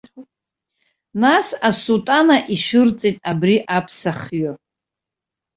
Нас асутана ишәырҵеит абри аԥсахҩы.